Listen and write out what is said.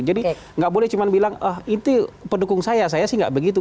jadi nggak boleh cuma bilang ah itu pendukung saya saya sih nggak begitu